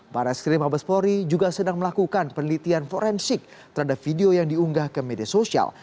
para eskrim mabes polri juga sedang melakukan penelitian forensik terhadap video yang diunggah ke media sosial